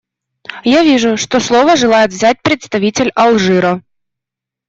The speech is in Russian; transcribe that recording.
Я вижу, что слово желает взять представитель Алжира.